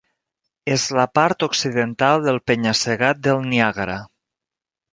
És la part occidental del penya-segat del Niagara.